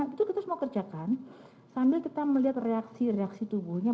itu kita semua kerjakan sambil kita melihat reaksi reaksi tubuhnya